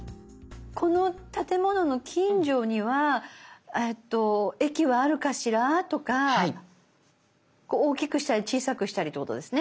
「この建物の近所には駅はあるかしら？」とか大きくしたり小さくしたりってことですね。